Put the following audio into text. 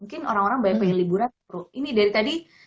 mungkin orang orang banyak pengen liburan ini dari tadi